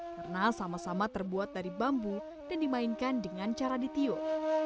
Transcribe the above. karena sama sama terbuat dari bambu dan dimainkan dengan cara ditiup